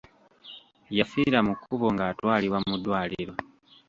Yafiira mu kkubo ng'atwalibwa mu ddwaliro.